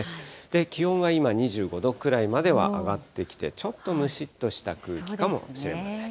気温は今、２５度くらいまでは上がってきて、ちょっとむしっとした空気かもしれません。